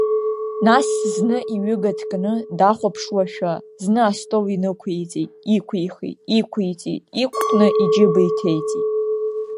Нас зны иҩыга ҭганы дахәаԥшуашәа, зны астол инықәиҵеит, иқәихит, иқәиҵеит, иқәхны иџьыба иҭеиҵеит.